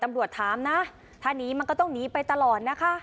ตำรวจถามนะถ้าหนีมันก็ต้องหนีไปตลอดนะคะ